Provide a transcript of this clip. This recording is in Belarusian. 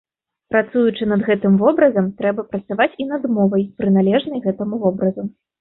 Працуючы над гэтым вобразам, трэба працаваць і над мовай, прыналежнай гэтаму вобразу.